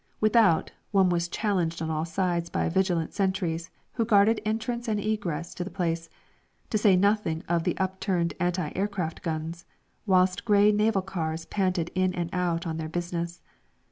Without, one was challenged on all sides by vigilant sentries who guarded entrance and egress to the place, to say nothing of the upturned anti aircraft guns, whilst grey naval cars panted in and out on their business.